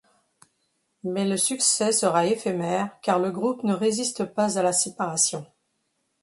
Mais le succès sera éphémère car le groupe ne résiste pas à la séparation.